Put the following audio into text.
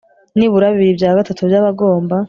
nibura bibiri bya gatatu by abagomba